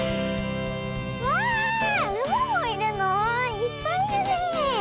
いっぱいいるねえ。